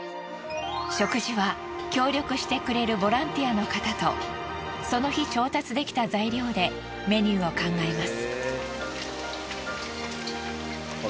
食事は協力してくれるボランティアの方とその日調達できた材料でメニューを考えます。